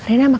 eh aku mau